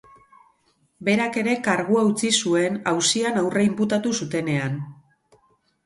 Berak ere kargua utzi zuen, auzian aurre-inputatu zutenean.